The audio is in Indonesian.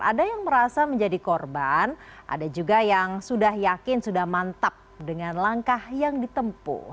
ada yang merasa menjadi korban ada juga yang sudah yakin sudah mantap dengan langkah yang ditempu